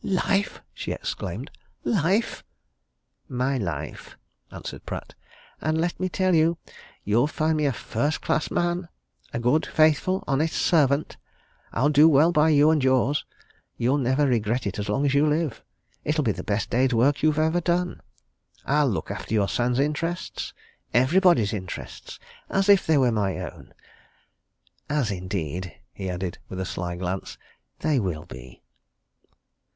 "Life!" she exclaimed. "Life!" "My life," answered Pratt. "And let me tell you you'll find me a first class man a good, faithful, honest servant. I'll do well by you and yours. You'll never regret it as long as you live. It'll be the best day's work you've ever done. I'll look after your son's interests everybody's interests as if they were my own. As indeed," he added, with a sly glance, "they will be."